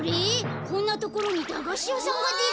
こんなところにだがしやさんができてる。